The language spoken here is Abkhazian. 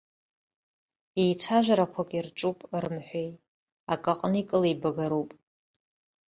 Еицәажәарақәак ирҿуп, рымҳәеи, акаҟны икылеибагароуп.